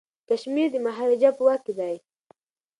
کشمیر د مهاراجا په واک کي دی.